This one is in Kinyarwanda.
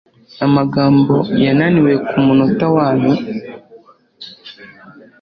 Amagambo yananiwe kumunota wanyuma.